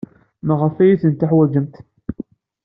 Maɣef ay tent-teḥwajemt?